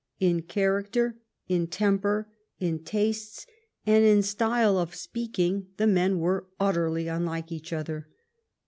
In character, in temper, in tastes, and in style of speaking the men were utterly unlike each other.